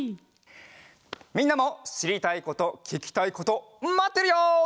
みんなもしりたいことききたいことまってるよ！